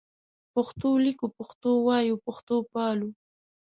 پښتو لیکو پښتو وایو پښتو پالو